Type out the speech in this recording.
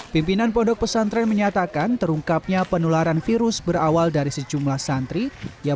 pimpinan pondok pesantren menyatakan terungkapnya penularan virus berawal dari sejumlah santri yang